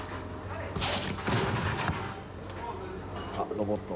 ロボット。